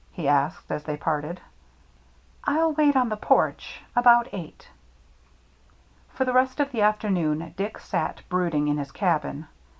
he asked, as they parted. " I'll wait on the porch — about eight." For the rest of the afternoon Dick sat brood ing in his cabin.